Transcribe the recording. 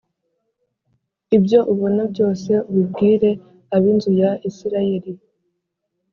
Ibyo ubona byose ubibwire ab inzu ya Isirayeli